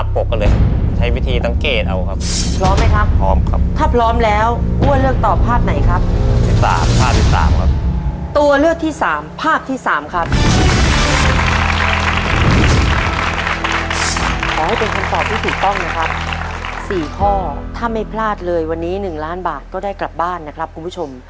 เพลงวันนี้หนึ่งล้านบาทก็ได้กลับบ้านนะครับคุณผู้ชม